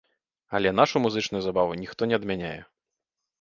Але нашу музычную забаву ніхто не адмяняе.